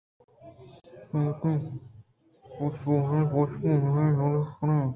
شما وتی پاسپانیں کُچکّ ءِہمراہی ءَ یلہ بہ کن ئے